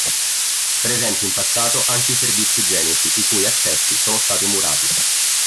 Presenti in passato anche i servizi igienici, i cui accessi sono stati murati.